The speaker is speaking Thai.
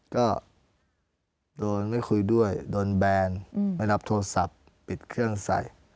ก็โดนไม่คุยด้วยโดนแบนไม่รับโทรศัพท์ปิดเครื่องใส่